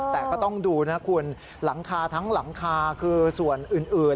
แต่ก็ต้องดูหลังคาทั้งหลังคาหรือว่าส่วนอื่น